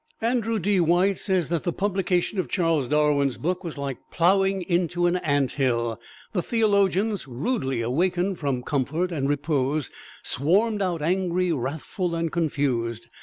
Andrew D. White says that the publication of Charles Darwin's book was like plowing into an ant hill. The theologians, rudely awakened from comfort and repose, swarmed out angry, wrathful and confused.